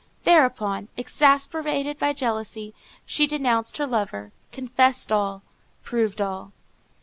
Thereupon, exasperated by jealousy, she denounced her lover, confessed all, proved all.